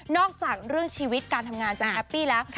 อกจากเรื่องชีวิตการทำงานจะแฮปปี้แล้ว